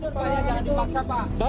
bapak jangan dimaksa pak